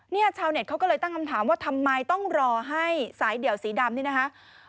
ชาวเน็ตเขาก็เลยตั้งคำถามว่าทำไมต้องรอให้สายเดี่ยวสีดำนี่นะคะ